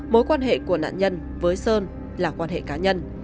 mối quan hệ của nạn nhân với sơn là quan hệ cá nhân